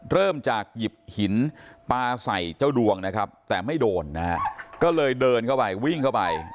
เริ่มจากหยิบหินปลาใส่เจ้าดวงนะครับแต่ไม่โดนนะฮะก็เลยเดินเข้าไปวิ่งเข้าไป